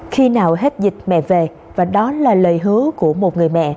khi nào hết dịch mẹ về và đó là lời hứa của một người mẹ